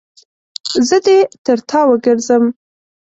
زه دې تر تا وګرځم.